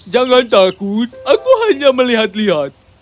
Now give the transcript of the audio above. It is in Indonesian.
jangan takut aku hanya melihat lihat